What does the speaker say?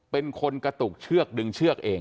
เป็นคนกระตุกเชือกดึงเชือกเอง